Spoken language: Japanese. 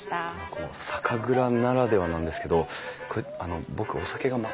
この「酒蔵ならでは」なんですけどこれ僕お酒が全く駄目なんですけど。